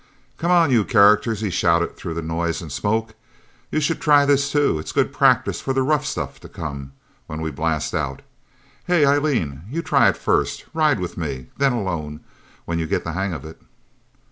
"Come on, you characters!" he shouted through the noise and smoke. "You should try this, too! It's good practice for the rough stuff to come, when we blast out!... Hey, Eileen you try it first ride with me then alone when you get the hang of it!..."